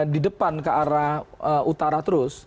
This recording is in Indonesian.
di depan ke arah utara terus